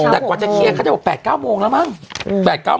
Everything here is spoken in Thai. แต่กว่าจะเคลียร์เขาจะบอก๘๙โมงแล้วมั้ง